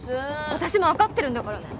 私も分かってるんだからね。